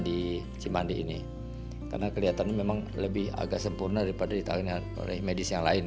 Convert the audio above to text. di cimandi ini karena kelihatan memang lebih agak sempurna daripada ditangani oleh medis yang lain